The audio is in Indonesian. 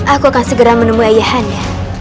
aku akan segera menemui ayahannya